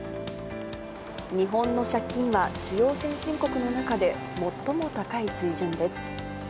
日本の借金は主要先進国の中で最も高い水準です。